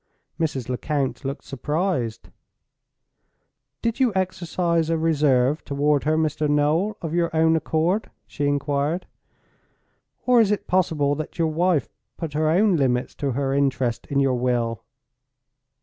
Mrs. Lecount looked surprised. "Did you exercise a reserve toward her, Mr. Noel, of your own accord?" she inquired; "or is it possible that your wife put her own limits to her interest in your will?"